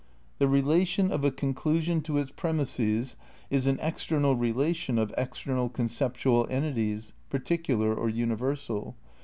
The relation of a conclusion to its premises is an external relation of external conceptual entities, particular or universal.